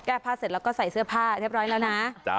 ผ้าเสร็จแล้วก็ใส่เสื้อผ้าเรียบร้อยแล้วนะ